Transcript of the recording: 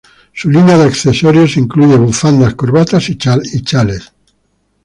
Su línea de accesorios incluye bufandas, corbatas y chales.